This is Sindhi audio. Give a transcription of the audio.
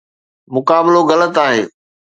مقابلو غلط آهي.